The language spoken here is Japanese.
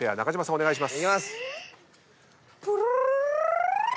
お願いします。